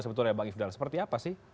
sebetulnya bang ifdal seperti apa sih